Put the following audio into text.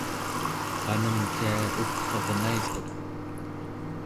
qanemcia ukvernaituq